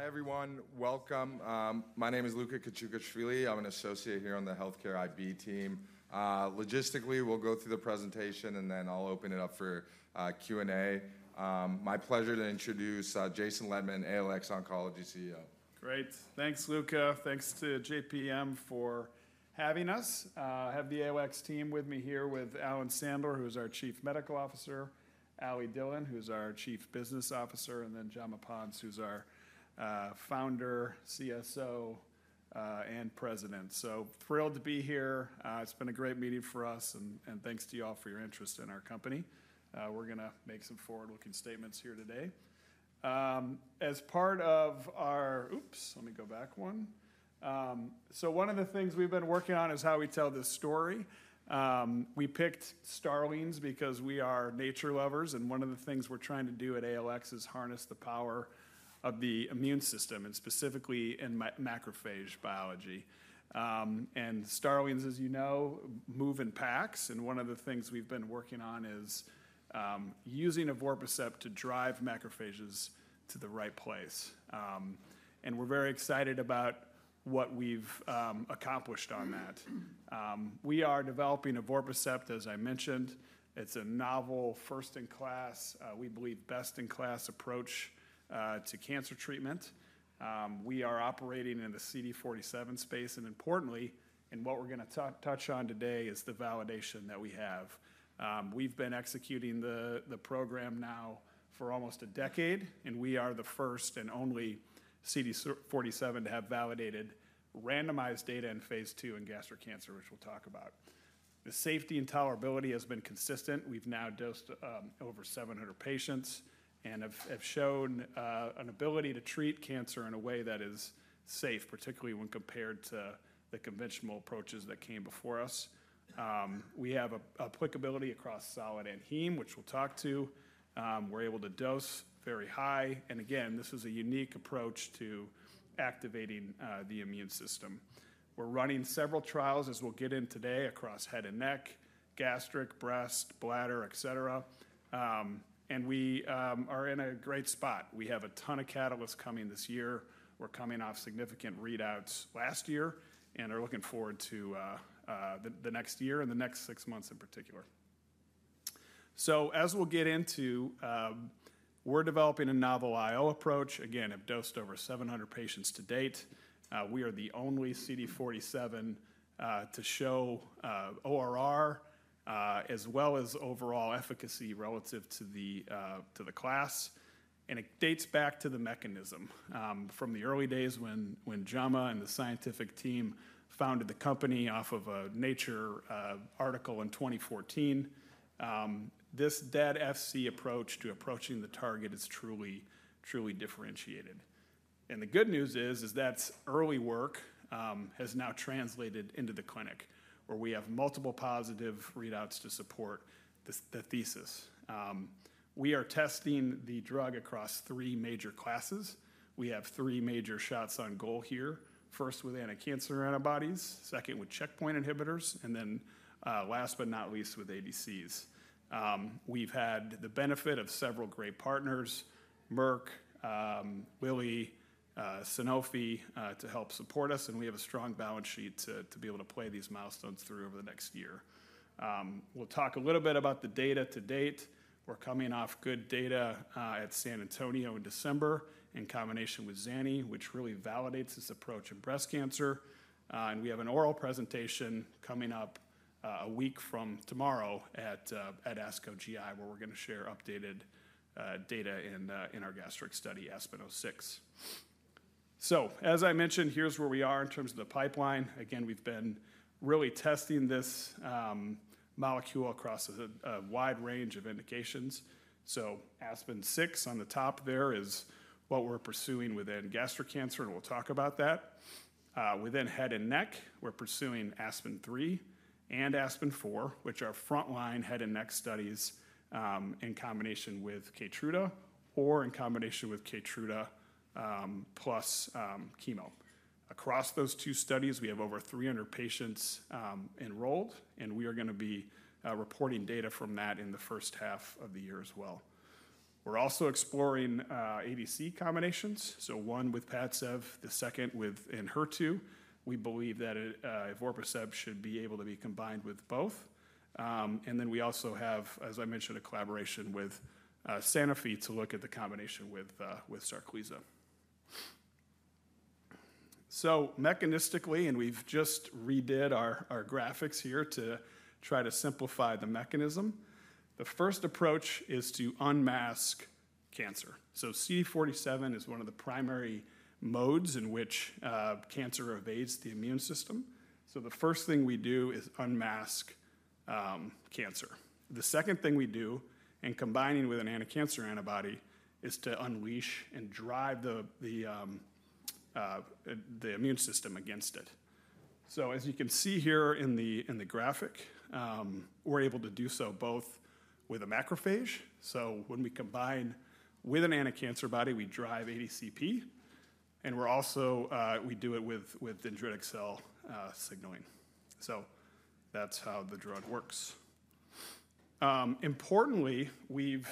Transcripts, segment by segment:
Hi, everyone. Welcome. My name is Luka Kachukhashvili. I'm an associate here on the healthcare IB team. Logistically, we'll go through the presentation, and then I'll open it up for Q&A. My pleasure to introduce Jason Lettmann, ALX Oncology CEO. Great. Thanks, Luka. Thanks to JPM for having us. I have the ALX team with me here with Alan Sandler, who's our Chief Medical Officer, Ally Dillon, who's our Chief Business Officer, and then Jaume Pons, who's our founder, CSO, and president. So thrilled to be here. It's been a great meeting for us, and thanks to you all for your interest in our company. We're going to make some forward-looking statements here today. As part of our. Oops, let me go back one. So one of the things we've been working on is how we tell this story. We picked Starlings because we are nature lovers, and one of the things we're trying to do at ALX is harness the power of the immune system, and specifically in macrophage biology. Starlings, as you know, move in packs, and one of the things we've been working on is using Evorpacept to drive macrophages to the right place. We're very excited about what we've accomplished on that. We are developing Evorpacept, as I mentioned. It's a novel, first-in-class, we believe best-in-class approach to cancer treatment. We are operating in the CD47 space, and importantly, in what we're going to touch on today is the validation that we have. We've been executing the program now for almost a decade, and we are the first and only CD47 to have validated randomized data in phase two in gastric cancer, which we'll talk about. The safety and tolerability has been consistent. We've now dosed over 700 patients and have shown an ability to treat cancer in a way that is safe, particularly when compared to the conventional approaches that came before us. We have applicability across solid and heme, which we'll talk to. We're able to dose very high, and again, this is a unique approach to activating the immune system. We're running several trials, as we'll get into today, across head and neck, gastric, breast, bladder, et cetera, and we are in a great spot. We have a ton of catalysts coming this year. We're coming off significant readouts last year and are looking forward to the next year and the next six months in particular. So as we'll get into, we're developing a novel IO approach. Again, have dosed over 700 patients to date. We are the only CD47 to show ORR, as well as overall efficacy relative to the class, and it dates back to the mechanism. From the early days when Jaume and the scientific team founded the company off of a Nature article in 2014, this dead Fc approach to approaching the target is truly, truly differentiated. And the good news is that early work has now translated into the clinic, where we have multiple positive readouts to support the thesis. We are testing the drug across three major classes. We have three major shots on goal here: first with anticancer antibodies, second with checkpoint inhibitors, and then last but not least with ADCs. We've had the benefit of several great partners: Merck, Lilly, Sanofi to help support us, and we have a strong balance sheet to be able to play these milestones through over the next year. We'll talk a little bit about the data to date. We're coming off good data at San Antonio in December in combination with Zani, which really validates this approach in breast cancer, and we have an oral presentation coming up a week from tomorrow at ASCO GI, where we're going to share updated data in our gastric study, ASPEN-06, so as I mentioned, here's where we are in terms of the pipeline. Again, we've been really testing this molecule across a wide range of indications, so ASPEN-06 on the top there is what we're pursuing within gastric cancer, and we'll talk about that. Within head and neck, we're pursuing ASPEN-03 and ASPEN-04, which are frontline head and neck studies in combination with Keytruda or in combination with Keytruda plus chemo. Across those two studies, we have over 300 patients enrolled, and we are going to be reporting data from that in the first half of the year as well. We're also exploring ADC combinations, so one with Padcev, the second with Enhertu. We believe that Evorpacept should be able to be combined with both, and then we also have, as I mentioned, a collaboration with Sanofi to look at the combination with Sarclisa. So mechanistically, and we've just redid our graphics here to try to simplify the mechanism, the first approach is to unmask cancer. So CD47 is one of the primary modes in which cancer evades the immune system. So the first thing we do is unmask cancer. The second thing we do, in combining with an anticancer antibody, is to unleash and drive the immune system against it. So as you can see here in the graphic, we're able to do so both with a macrophage. So when we combine with an anticancer antibody, we drive ADCP, and we're also - we do it with dendritic cell signaling. So that's how the drug works. Importantly, we've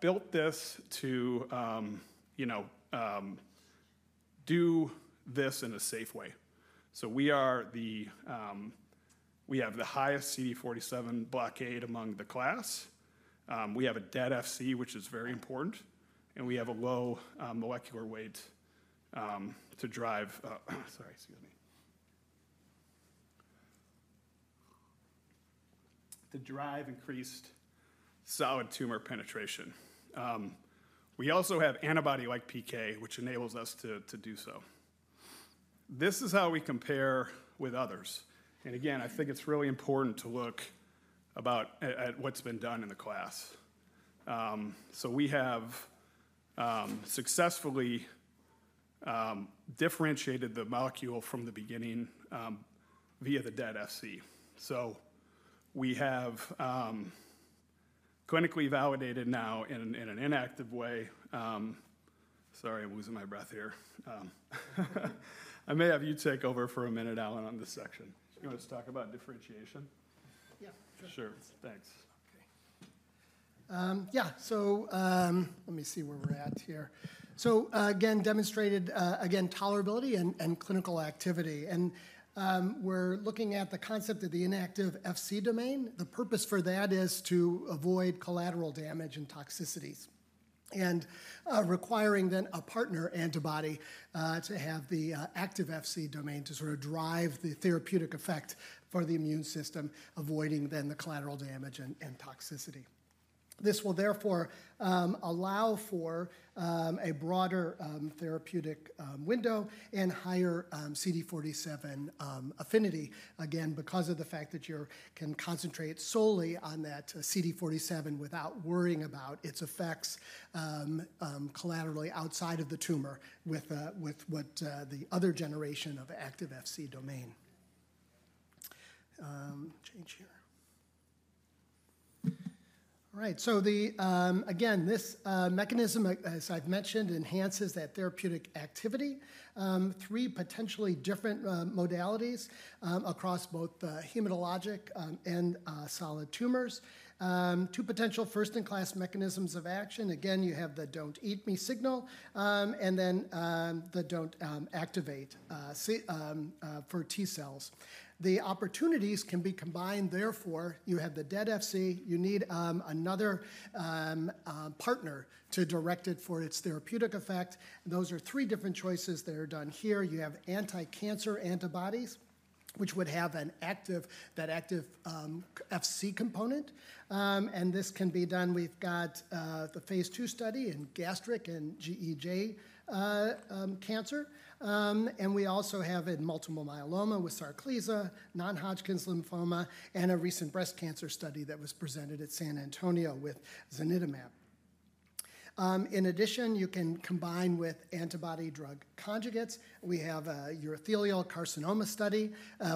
built this to do this in a safe way. So we have the highest CD47 blockade among the class. We have a dead Fc, which is very important, and we have a low molecular weight to drive, sorry, excuse me, to drive increased solid tumor penetration. We also have antibody-like PK, which enables us to do so. This is how we compare with others, and again, I think it's really important to look at what's been done in the class. So we have successfully differentiated the molecule from the beginning via the dead Fc. So we have clinically validated now in an inactive way, sorry, I'm losing my breath here. I may have you take over for a minute, Alan, on this section. Do you want to talk about differentiation? Yeah. Sure. Thanks. Okay. Yeah, so let me see where we're at here. So again, demonstrated again tolerability and clinical activity, and we're looking at the concept of the inactive Fc domain. The purpose for that is to avoid collateral damage and toxicities, and requiring then a partner antibody to have the active Fc domain to sort of drive the therapeutic effect for the immune system, avoiding then the collateral damage and toxicity. This will therefore allow for a broader therapeutic window and higher CD47 affinity, again, because of the fact that you can concentrate solely on that CD47 without worrying about its effects collaterally outside of the tumor with what the other generation of active Fc domain. Change here. All right, so again, this mechanism, as I've mentioned, enhances that therapeutic activity. Three potentially different modalities across both hematologic and solid tumors. Two potential first-in-class mechanisms of action. Again, you have the don't-eat-me signal and then the don't-activate for T cells. The opportunities can be combined. Therefore, you have the dead Fc. You need another partner to direct it for its therapeutic effect. Those are three different choices that are done here. You have anticancer antibodies, which would have that active Fc component, and this can be done. We've got the phase two study in gastric and GEJ cancer, and we also have it in multiple myeloma with Sarclisa, non-Hodgkin's lymphoma, and a recent breast cancer study that was presented at San Antonio with zanidatamab. In addition, you can combine with antibody-drug conjugates. We have a urothelial carcinoma study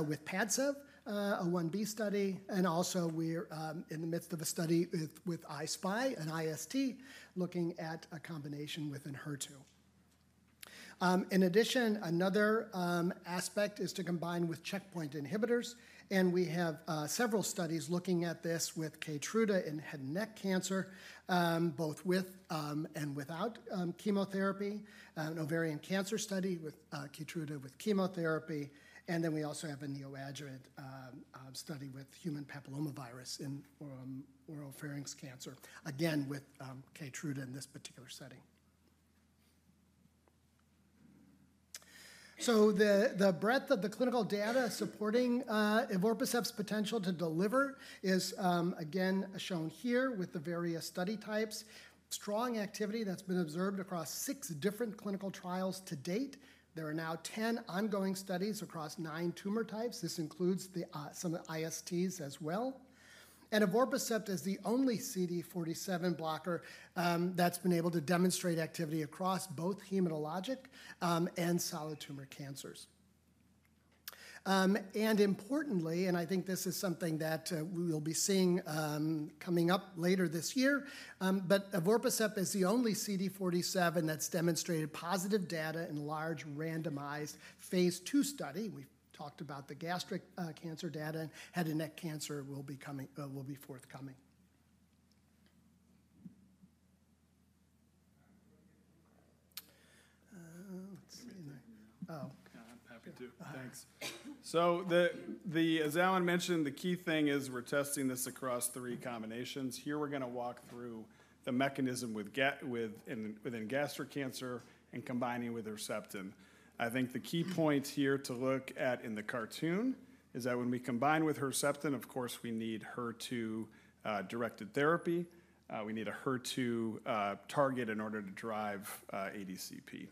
with Padcev, a 1b study, and also we're in the midst of a study with I-SPY and IST looking at a combination with Enhertu. In addition, another aspect is to combine with checkpoint inhibitors, and we have several studies looking at this with Keytruda in head and neck cancer, both with and without chemotherapy, an ovarian cancer study with Keytruda with chemotherapy, and then we also have a neoadjuvant study with human papillomavirus in oropharynx cancer, again with Keytruda in this particular setting. So the breadth of the clinical data supporting Evorpacept's potential to deliver is again shown here with the various study types. Strong activity that's been observed across six different clinical trials to date. There are now 10 ongoing studies across nine tumor types. This includes some ISTs as well. And Evorpacept is the only CD47 blocker that's been able to demonstrate activity across both hematologic and solid tumor cancers. Importantly, and I think this is something that we'll be seeing coming up later this year, but Evorpacept is the only CD47 that's demonstrated positive data in large randomized phase two study. We've talked about the gastric cancer data and head and neck cancer will be forthcoming. Let's see. Yeah, I'm happy to. Thanks. So as Alan mentioned, the key thing is we're testing this across three combinations. Here we're going to walk through the mechanism within gastric cancer and combining with Herceptin. I think the key points here to look at in the cartoon is that when we combine with Herceptin, of course, we need HER2-directed therapy. We need a HER2 target in order to drive ADCP.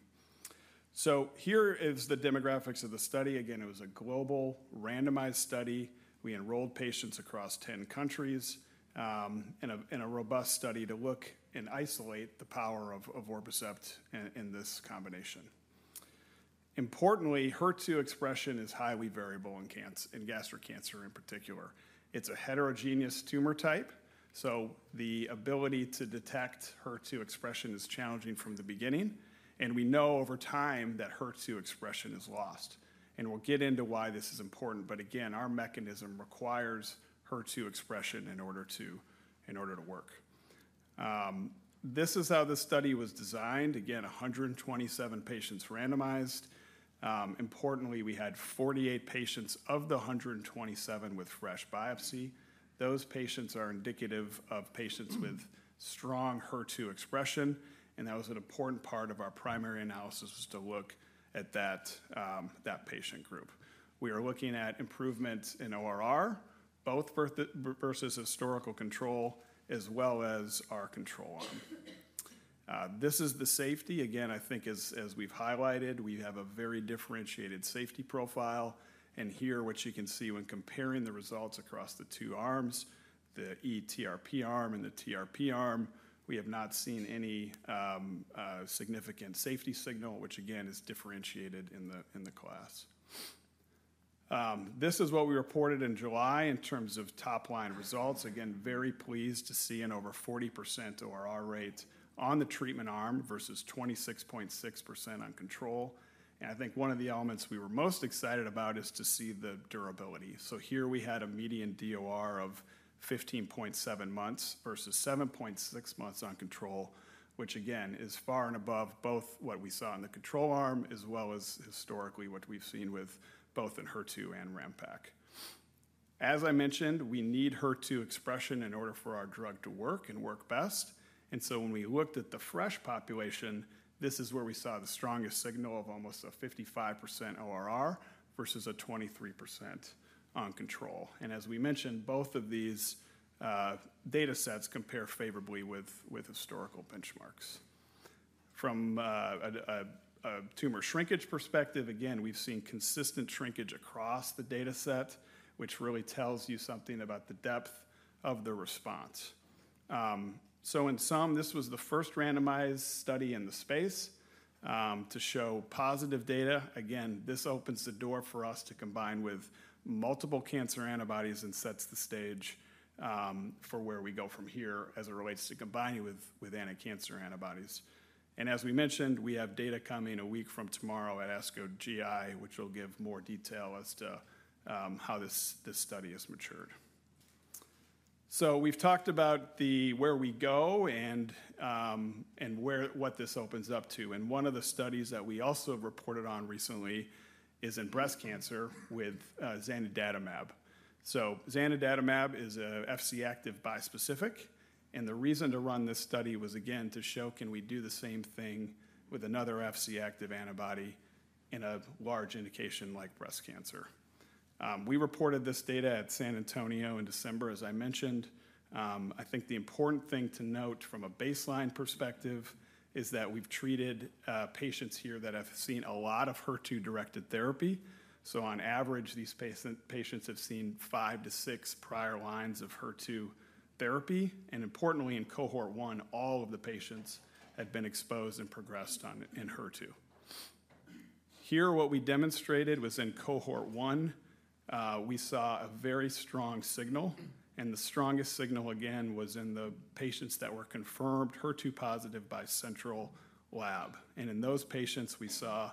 So here is the demographics of the study. Again, it was a global randomized study. We enrolled patients across 10 countries in a robust study to look and isolate the power of Evorpacept in this combination. Importantly, HER2 expression is highly variable in gastric cancer in particular. It's a heterogeneous tumor type, so the ability to detect HER2 expression is challenging from the beginning, and we know over time that HER2 expression is lost, and we'll get into why this is important, but again, our mechanism requires HER2 expression in order to work. This is how the study was designed. Again, 127 patients randomized. Importantly, we had 48 patients of the 127 with fresh biopsy. Those patients are indicative of patients with strong HER2 expression, and that was an important part of our primary analysis to look at that patient group. We are looking at improvements in ORR, both versus historical control, as well as our control arm. This is the safety. Again, I think as we've highlighted, we have a very differentiated safety profile, and here what you can see when comparing the results across the two arms, the eTRP arm and the TRP arm, we have not seen any significant safety signal, which again is differentiated in the class. This is what we reported in July in terms of top-line results. Again, very pleased to see an over 40% ORR rate on the treatment arm versus 26.6% on control, and I think one of the elements we were most excited about is to see the durability. So here we had a median DOR of 15.7 months versus 7.6 months on control, which again is far and above both what we saw in the control arm as well as historically what we've seen with both Enhertu and RamPac. As I mentioned, we need HER2 expression in order for our drug to work and work best, and so when we looked at the fresh population, this is where we saw the strongest signal of almost a 55% ORR versus a 23% on control, and as we mentioned, both of these data sets compare favorably with historical benchmarks. From a tumor shrinkage perspective, again, we've seen consistent shrinkage across the data set, which really tells you something about the depth of the response. So in sum, this was the first randomized study in the space to show positive data. Again, this opens the door for us to combine with multiple cancer antibodies and sets the stage for where we go from here as it relates to combining with anticancer antibodies. As we mentioned, we have data coming a week from tomorrow at ASCO GI, which will give more detail as to how this study has matured. We've talked about where we go and what this opens up to, and one of the studies that we also reported on recently is in breast cancer with zanidatamab. zanidatamab is an Fc-active bispecific, and the reason to run this study was again to show can we do the same thing with another Fc-active antibody in a large indication like breast cancer. We reported this data at San Antonio in December, as I mentioned. I think the important thing to note from a baseline perspective is that we've treated patients here that have seen a lot of HER2-directed therapy, so on average, these patients have seen five to six prior lines of HER2 therapy, and importantly, in cohort one, all of the patients had been exposed and progressed Enhertu. Here, what we demonstrated was in cohort one, we saw a very strong signal, and the strongest signal again was in the patients that were confirmed HER2 positive by central lab, and in those patients, we saw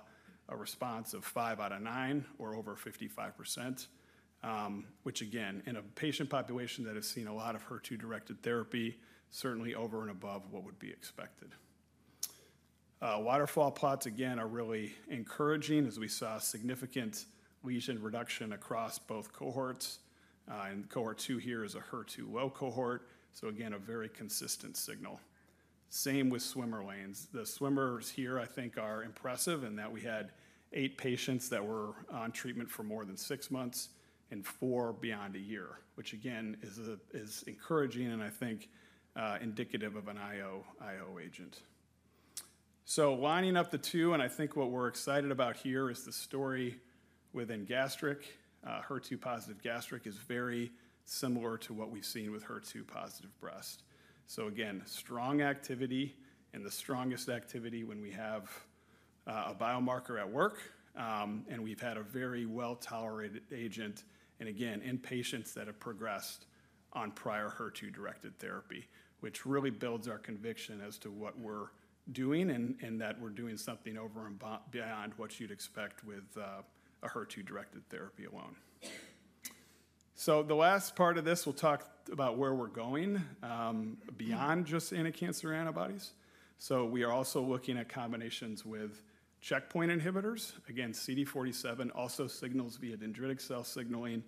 a response of five out of nine or over 55%, which again, in a patient population that has seen a lot of HER2-directed therapy, certainly over and above what would be expected. Waterfall plots again are really encouraging as we saw significant lesion reduction across both cohorts, and cohort two here is a HER2 low cohort, so again, a very consistent signal. Same with swimmer plots. The swimmers here, I think, are impressive in that we had eight patients that were on treatment for more than six months and four beyond a year, which again is encouraging and I think indicative of an IO agent. So lining up the two, and I think what we're excited about here is the story within gastric. HER2 positive gastric is very similar to what we've seen with HER2 positive breast. So again, strong activity and the strongest activity when we have a biomarker at work, and we've had a very well-tolerated agent, and again, in patients that have progressed on prior HER2-directed therapy, which really builds our conviction as to what we're doing and that we're doing something over and beyond what you'd expect with a HER2-directed therapy alone. So the last part of this, we'll talk about where we're going beyond just anticancer antibodies. So we are also looking at combinations with checkpoint inhibitors. Again, CD47 also signals via dendritic cell signaling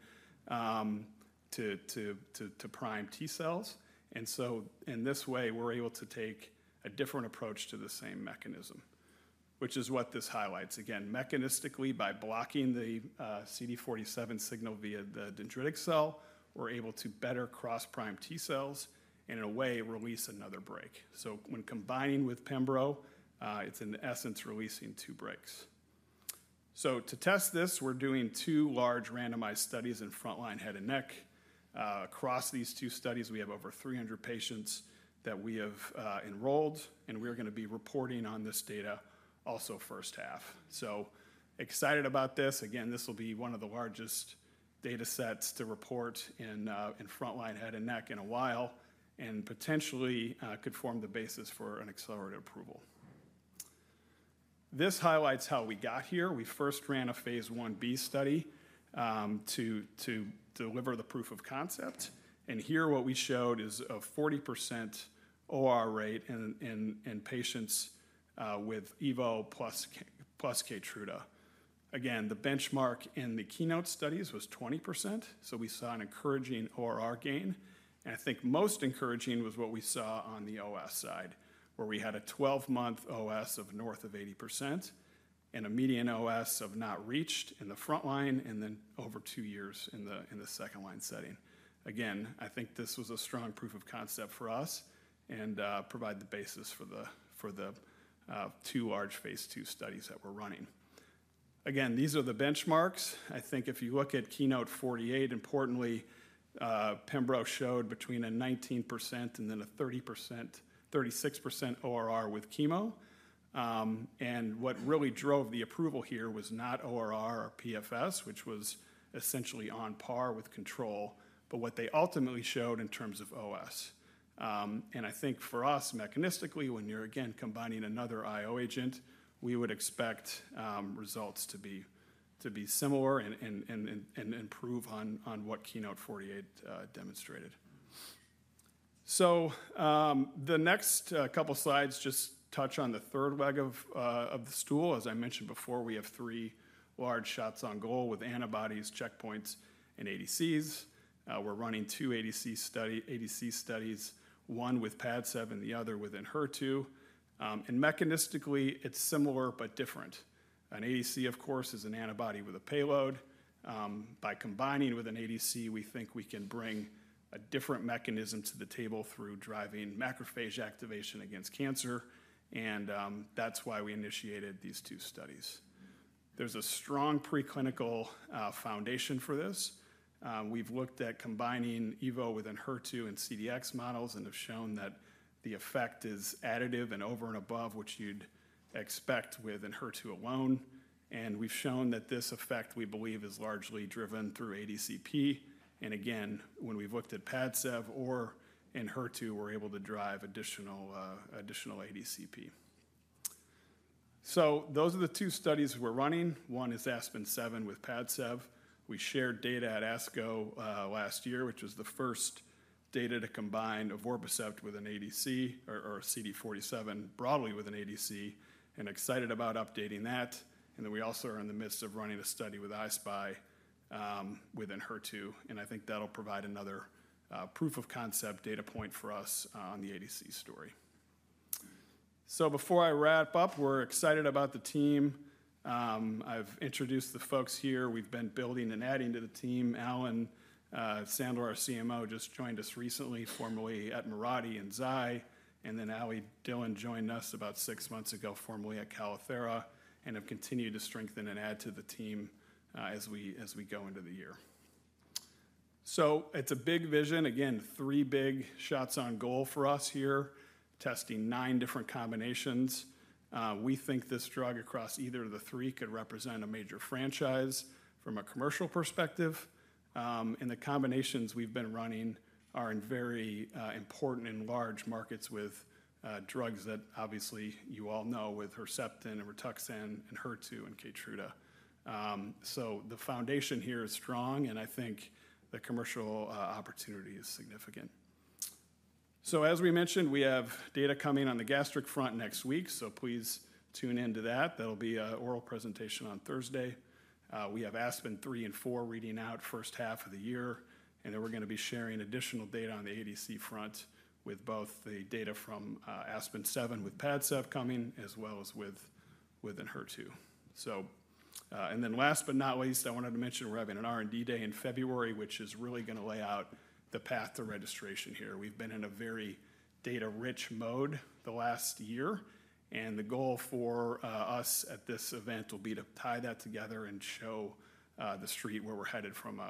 to prime T cells, and so in this way, we're able to take a different approach to the same mechanism, which is what this highlights. Again, mechanistically, by blocking the CD47 signal via the dendritic cell, we're able to better cross prime T cells and in a way release another brake. So when combining with Pembro, it's in essence releasing two breaks. So to test this, we're doing two large randomized studies in front line, head and neck. Across these two studies, we have over 300 patients that we have enrolled, and we're going to be reporting on this data also first half. So excited about this. Again, this will be one of the largest data sets to report in front line, head and neck in a while and potentially could form the basis for an accelerated approval. This highlights how we got here. We first ran a phase 1b study to deliver the proof of concept, and here what we showed is a 40% ORR in patients with Evorpacept plus Keytruda. Again, the benchmark in the KEYNOTE studies was 20%, so we saw an encouraging ORR gain, and I think most encouraging was what we saw on the OS side, where we had a 12-month OS of north of 80% and a median OS of not reached in the front line and then over two years in the second line setting. Again, I think this was a strong proof of concept for us and provide the basis for the two large phase two studies that we're running. Again, these are the benchmarks. I think if you look at KEYNOTE-048, importantly, Pembro showed between a 19% and then a 36% ORR with chemo, and what really drove the approval here was not ORR or PFS, which was essentially on par with control, but what they ultimately showed in terms of OS. And I think for us, mechanistically, when you're again combining another IO agent, we would expect results to be similar and improve on what KEYNOTE-048 demonstrated. So the next couple slides just touch on the third leg of the stool. As I mentioned before, we have three large shots on goal with antibodies, checkpoints, and ADCs. We're running two ADC studies, one with Padcev and the other with Enhertu, and mechanistically, it's similar but different. An ADC, of course, is an antibody with a payload. By combining with an ADC, we think we can bring a different mechanism to the table through driving macrophage activation against cancer, and that's why we initiated these two studies. There's a strong preclinical foundation for this. We've looked at combining Evorpacept with Enhertu and CDX models and have shown that the effect is additive and over and above what you'd expect with Enhertu alone, and we've shown that this effect we believe is largely driven through ADCP, and again, when we've looked at Padcev or with Enhertu, we're able to drive additional ADCP. So those are the two studies we're running. One is ASPEN-07 with Padcev. We shared data at ASCO last year, which was the first data to combine Evorpacept with an ADC or a CD47 broadly with an ADC, and excited about updating that, and then we also are in the midst of running a study with I-SPY with Enhertu, and I think that'll provide another proof of concept data point for us on the ADC story. So before I wrap up, we're excited about the team. I've introduced the folks here. We've been building and adding to the team. Alan Sandler, our CMO, just joined us recently, formerly at Mirati and Zai Lab, and then Ally Dillon joined us about six months ago, formerly at Calithera, and have continued to strengthen and add to the team as we go into the year. So it's a big vision. Again, three big shots on goal for us here, testing nine different combinations. We think this drug across either of the three could represent a major franchise from a commercial perspective, and the combinations we've been running are in very important and large markets with drugs that obviously you all know with Herceptin and Rituxan and HER2 and Keytruda. So the foundation here is strong, and I think the commercial opportunity is significant. So as we mentioned, we have data coming on the gastric front next week, so please tune into that. That'll be an oral presentation on Thursday. We have ASPEN-03 and ASPEN-04 reading out first half of the year, and then we're going to be sharing additional data on the ADC front with both the data from ASPEN-07 with Padcev coming as well as with Enhertu. And then last but not least, I wanted to mention we're having an R&D day in February, which is really going to lay out the path to registration here. We've been in a very data-rich mode the last year, and the goal for us at this event will be to tie that together and show the street where we're headed from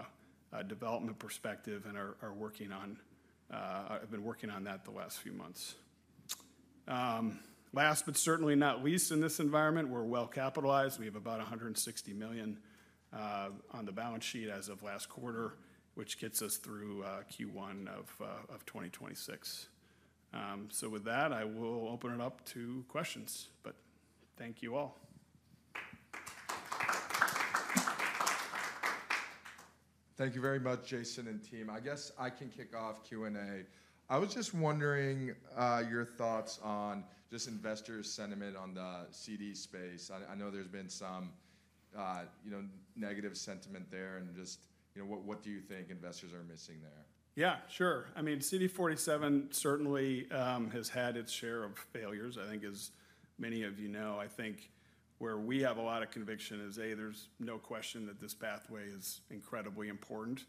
a development perspective and are working on, have been working on that the last few months. Last but certainly not least, in this environment, we're well capitalized. We have about $160 million on the balance sheet as of last quarter, which gets us through Q1 of 2026. So with that, I will open it up to questions, but thank you all. Thank you very much, Jason and team. I guess I can kick off Q&A. I was just wondering your thoughts on just investor sentiment on the CD space. I know there's been some negative sentiment there and just what do you think investors are missing there? Yeah, sure. I mean, CD47 certainly has had its share of failures, I think as many of you know. I think where we have a lot of conviction is, A, there's no question that this pathway is incredibly important.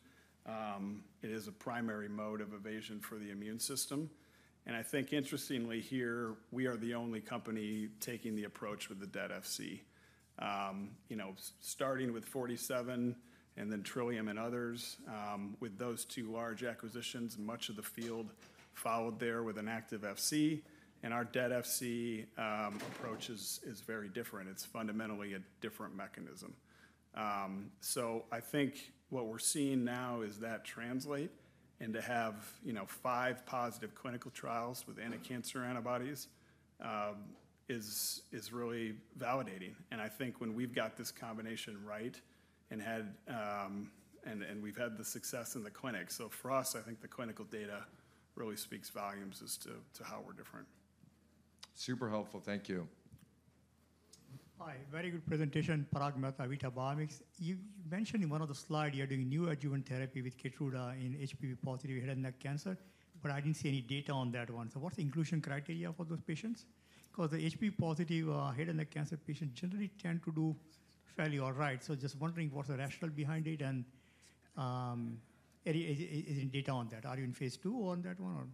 It is a primary mode of evasion for the immune system, and I think interestingly here, we are the only company taking the approach with the dead Fc. Starting with 47 and then Trillium and others, with those two large acquisitions, much of the field followed there with an active Fc, and our dead Fc approach is very different. It's fundamentally a different mechanism. I think what we're seeing now is that translates into having five positive clinical trials with anticancer antibodies is really validating, and I think when we've got this combination right and we've had the success in the clinic, so for us, I think the clinical data really speaks volumes as to how we're different. Super helpful. Thank you. Hi, very good presentation, Parag Mahanti. You mentioned in one of the slides you're doing neoadjuvant therapy with Keytruda in HPV positive head and neck cancer, but I didn't see any data on that one. So what's the inclusion criteria for those patients? Because the HPV positive head and neck cancer patients generally tend to do fairly all right, so just wondering what's the rationale behind it and is there any data on that? Are you in phase two on that one or?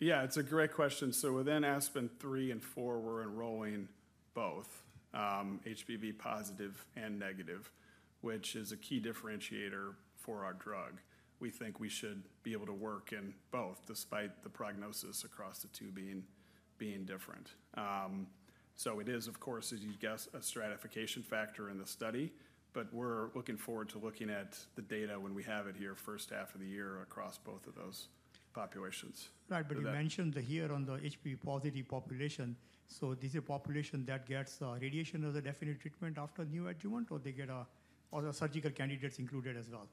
Yeah, it's a great question. So within ASPEN-03 and ASPEN-04, we're enrolling both HPV positive and negative, which is a key differentiator for our drug. We think we should be able to work in both despite the prognosis across the two being different. So it is, of course, as you guessed, a stratification factor in the study, but we're looking forward to looking at the data when we have it here first half of the year across both of those populations. Right, but you mentioned here on the HPV positive population, so this is a population that gets radiation as a definitive treatment after neoadjuvant or they get other surgical candidates included as well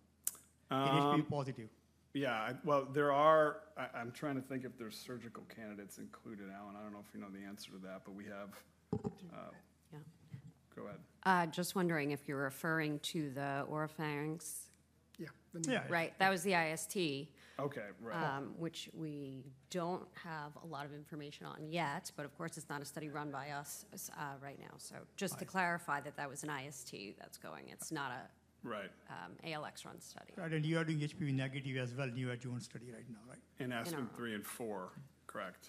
in HPV positive? Yeah, well, there are. I'm trying to think if there's surgical candidates included, Alan. I don't know if you know the answer to that, but we have. Yeah. Go ahead. Just wondering if you're referring to the oropharynx? Yeah. Right, that was the IST. Okay, right. Which we don't have a lot of information on yet, but of course, it's not a study run by us right now. So just to clarify that that was an IST that's going, it's not an ALX run study. Right, and you are doing HPV negative as well neoadjuvant study right now, right? In ASPEN-03 and ASPEN-04, correct.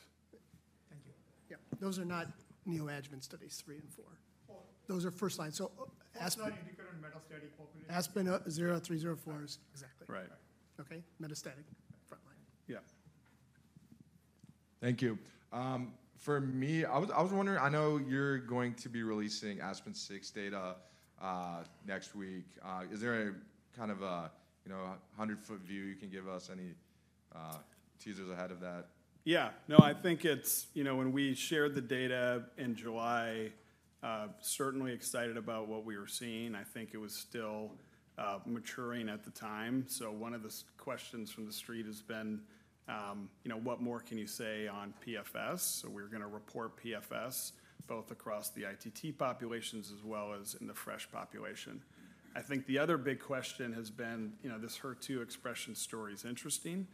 Thank you. Yeah, those are not neoadjuvant studies 3 and 4. Those are first line. So Aspen. ASPEN-03/04 is exactly. Right. Okay, metastatic front line. Yeah. Thank you. For me, I was wondering, I know you're going to be releasing ASPEN-06 data next week. Is there a kind of a 100-foot view you can give us, any teasers ahead of that? Yeah, no, I think it's, you know, when we shared the data in July, certainly excited about what we were seeing. I think it was still maturing at the time. So one of the questions from the street has been, you know, what more can you say on PFS? So we're going to report PFS both across the ITT populations as well as in the FISH population. I think the other big question has been, you know, this HER2 expression story is interesting.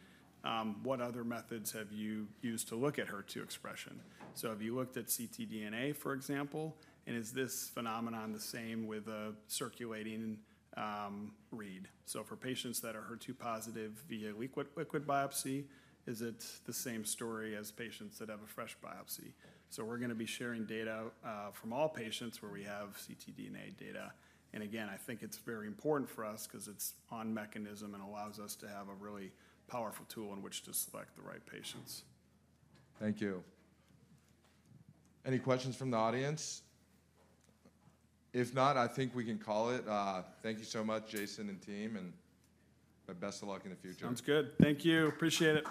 What other methods have you used to look at HER2 expression? So have you looked at ctDNA, for example, and is this phenomenon the same with a circulating read? So for patients that are HER2 positive via liquid biopsy, is it the same story as patients that have a FISH biopsy? So we're going to be sharing data from all patients where we have ctDNA data, and again, I think it's very important for us because it's on mechanism and allows us to have a really powerful tool in which to select the right patients. Thank you. Any questions from the audience? If not, I think we can call it. Thank you so much, Jason and team, and best of luck in the future. Sounds good. Thank you. Appreciate it.